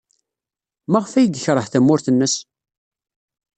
Maɣef ay yekṛeh tamurt-nnes?